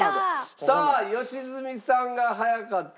さあ良純さんが早かった。